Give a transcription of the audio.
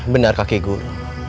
benar kakek guru